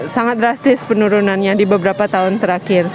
sangat drastis penurunannya di beberapa tahun terakhir